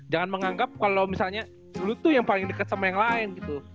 jangan menganggap kalo misalnya lo tuh yang paling deket sama yang lain gitu